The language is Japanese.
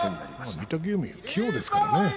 御嶽海は器用ですからね。